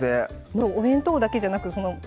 もうお弁当だけじゃなくすいません